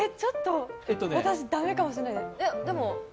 私駄目かもしれないです。